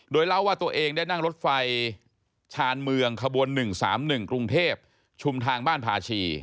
โดยเล่าว่าตัวเองได้นั่งรถไฟชาญเมืองขบวน๑๓๑กรุงเทพชุมทางบ้านพาชี